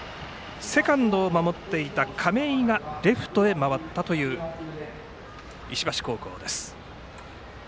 セカンドを守っていた亀井がレフトへ回ったという石橋高校。